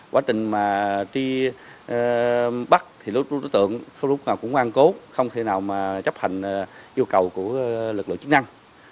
quá trình mà đi bắt thì đối tượng không lúc nào cũng an cố không thể nào mà chấp hành yêu cầu của lực lượng chức năng